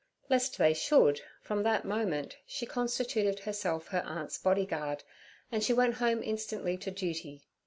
Lest they should, from that moment she constituted herself her aunt's bodyguard, and she went home instantly to duty.